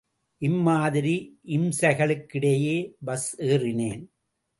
இம்மாதிரி இம்சைகளுக்கிடையே பஸ் ஏறினேன்.